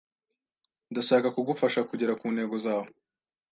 Ndashaka kugufasha kugera kuntego zawe.